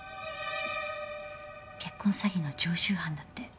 結婚詐欺の常習犯だって。